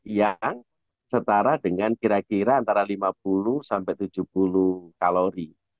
yang setara dengan kira kira antara lima puluh sampai tujuh puluh kalori